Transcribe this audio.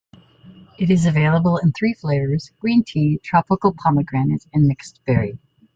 It is available in three flavors: Green Tea, Tropical Pomegranate, and Mixed Berry.